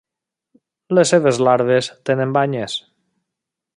Les seves larves tenen banyes.